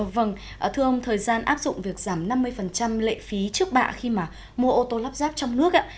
vâng thưa ông thời gian áp dụng việc giảm năm mươi lệ phí trước bạ khi mà mua ô tô lắp ráp trong nước